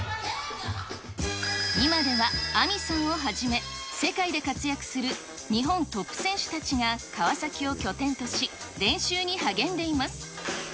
今では、Ａｍｉさんをはじめ、世界で活躍する日本トップ選手たちが川崎を拠点とし、練習に励んでいます。